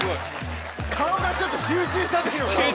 顔がちょっと集中した時の。